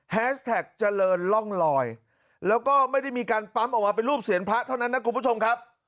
แท็กเจริญร่องลอยแล้วก็ไม่ได้มีการปั๊มออกมาเป็นรูปเสียงพระเท่านั้นนะคุณผู้ชมครับ